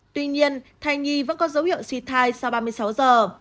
tuy nhiên thai nhi vẫn có dấu hiệu suy thai sau ba mươi sáu giờ